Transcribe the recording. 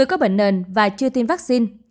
có bệnh nền và chưa tiêm vaccine